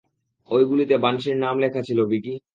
ওই গুলিতে বানশির নাম লেখা ছিল, ভিকি।